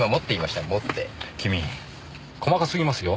君細かすぎますよ。